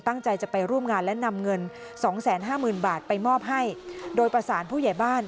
ตั้งใจจะไปร่วมงานและนำเงิน๒๕๐๐๐๐บาทไปมอบให้โดยประสานผู้ใหญ่บ้าน